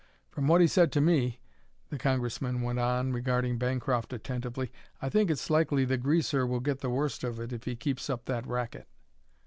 From what he said to me," the Congressman went on, regarding Bancroft attentively, "I think it's likely the greaser will get the worst of it if he keeps up that racket."